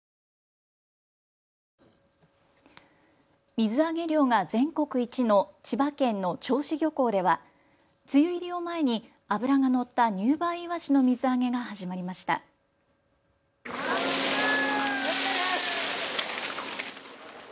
水揚げ量が全国一の千葉県の銚子漁港では梅雨入りを前に脂が乗った入梅いわしの水揚げが始まりました。